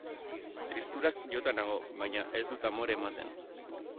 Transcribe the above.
Tristurak jota nago, baina ez dut amore ematen.